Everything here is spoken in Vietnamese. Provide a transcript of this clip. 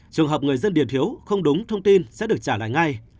trường hợp người dân điền thiếu không đúng thông tin sẽ được trả lại ngay